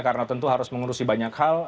karena tentu harus mengurusi banyak hal